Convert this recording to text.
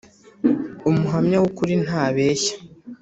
umuhamya w’ukuri ntabeshya,